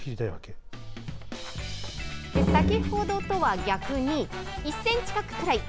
先程とは逆に１ｃｍ角くらい。